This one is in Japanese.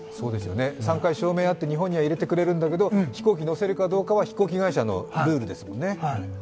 ３回証明あって、日本は入れてくれるんだけど、飛行機乗せるかどうかは飛行機会社のルールですもんね。